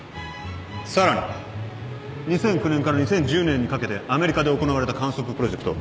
さらに２００９年から２０１０年にかけてアメリカで行われた観測プロジェクトＶＯＲＴＥＸ